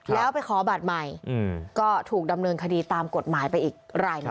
แล้วไปขอบัตรใหม่ก็ถูกดำเนินคดีตามกฎหมายไปอีกรายหนึ่ง